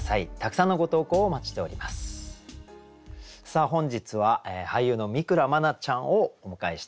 さあ本日は俳優の三倉茉奈ちゃんをお迎えしております。